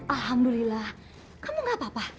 alhamdulillah kamu gak apa apa